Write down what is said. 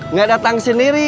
nggak datang sendiri